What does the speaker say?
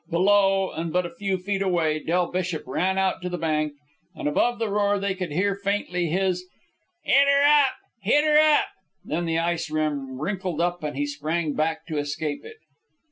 Below, and but a few feet away, Del Bishop ran out to the bank, and above the roar they could hear faintly his "Hit 'er up! Hit 'er up!" Then the ice rim wrinkled up and he sprang back to escape it.